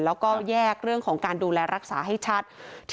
แล้วก็แยกเรื่องของการดูแลรักษาให้ชัด